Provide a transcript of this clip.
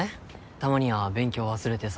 たまには勉強忘れてさ。